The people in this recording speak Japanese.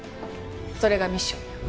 それがミッションよ。